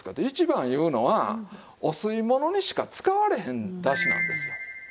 一番いうのはお吸いものにしか使われへんだしなんですよ。